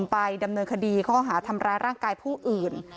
ไปดำเนินคดีข้อหาทำร้ายร่างกายผู้อื่น